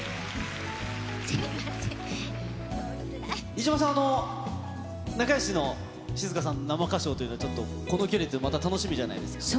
飯島さん、仲よしの静香さん、生歌唱というのはちょっとこの距離ってまた楽しみじゃないですか？